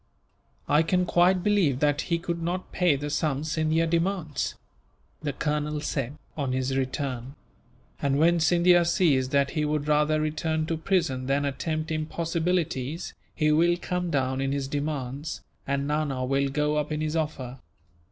"I can quite believe that he could not pay the sum Scindia demands," the colonel said, on his return; "and when Scindia sees that he would rather return to prison than attempt impossibilities, he will come down in his demands, and Nana will go up in his offer.